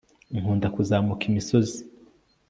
nkunda kuzamuka imisozi